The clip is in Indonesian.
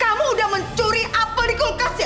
kamu udah mencuri apel di kulkas ya